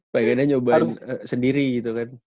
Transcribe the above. pengenda nyobain sendiri gitu kan